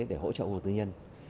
để hỗ trợ hồ tư nhân